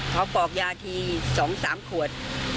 เขาปลอกยาทีสองสามขวด